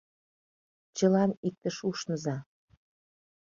Чылан иктыш ушныза